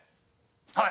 はい。